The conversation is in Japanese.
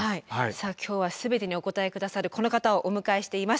さあ今日は全てにお答え下さるこの方をお迎えしています。